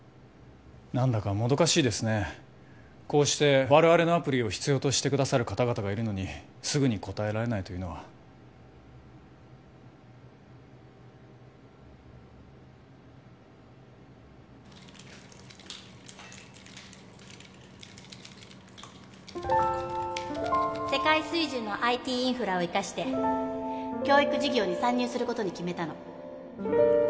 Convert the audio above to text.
何だかもどかしいですねこうして我々のアプリを必要としてくださる方々がいるのにすぐに応えられないというのは世界水準の ＩＴ インフラを生かして教育事業に参入することに決めたの